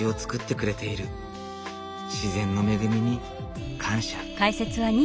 自然の恵みに感謝。